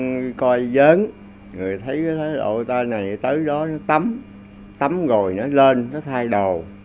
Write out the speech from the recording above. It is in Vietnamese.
bữa đó là tôi đưa coi vớn người thấy cái đội ta này tới đó nó tắm tắm rồi nó lên nó thay đồ